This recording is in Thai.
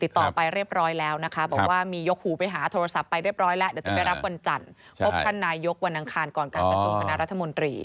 ได้คุยกับทั้ง๘คนก่อนนายยกรัฐมนตรี